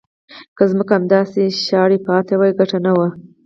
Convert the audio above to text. که ځمکې همداسې شاړې پاتې وای ګټه نه وه.